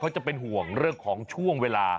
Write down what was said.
เขาจะเป็นห่วงเรื่องของช่วงเวลา